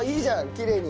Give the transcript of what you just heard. きれいに。